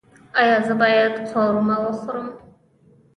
ایا زه باید قورمه وخورم؟